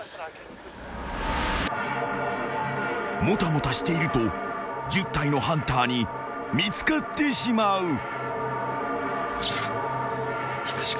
［もたもたしていると１０体のハンターに見つかってしまう］